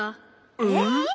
えっ？